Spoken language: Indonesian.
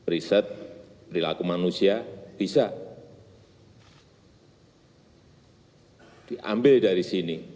riset perilaku manusia bisa diambil dari sini